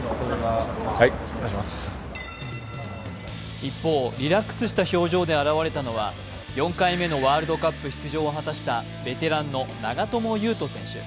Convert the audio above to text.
一方、リラックスした表情で現れたのは４回目のワールドカップ出場を果たしたベテランの長友佑都選手。